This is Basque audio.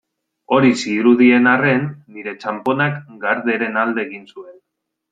Hori zirudien arren, nire txanponak Garderen alde egin zuen.